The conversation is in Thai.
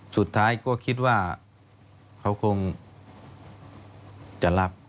สุดท้ายก็คิดว่าเขาคงจะรับ